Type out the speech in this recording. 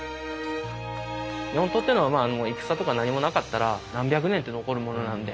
日本刀っていうのは戦とか何もなかったら何百年って残るものなので。